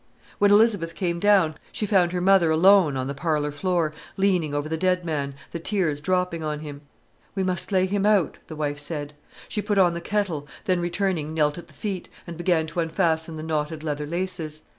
When Elizabeth came down she found her mother alone on the parlour floor, leaning over the dead man, the tears dropping on him. "We must lay him out," the wife said. She put on the kettle, then returning knelt at the feet, and began to unfasten the knotted leather laces.